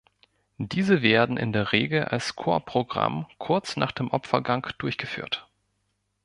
Diese werden in der Regel als Chorprogramm kurz nach dem Opfergang durchgeführt.